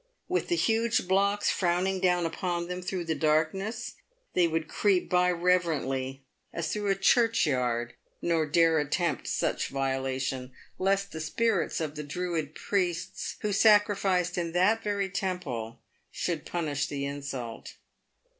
With the huge blocks frowning down upon them through the darkness, they would creep by reverently as through a church yard, nor dare attempt such violation, lest the spirits of the Druid priests, who sacrificed in that very temple, should punish the insult.